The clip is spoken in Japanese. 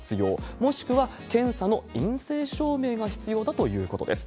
もしくは、検査の陰性証明が必要だということです。